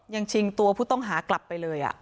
ชิงตัวผู้ต้องหากลับไปเลย